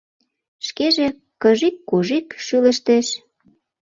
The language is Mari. Шкеже кыжик-кожик шӱлештеш.